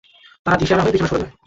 তারা দিশেহারা হয়ে পিছনে সরে যায়।